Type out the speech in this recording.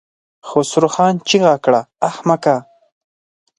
خسرو خان چيغه کړه! احمقه!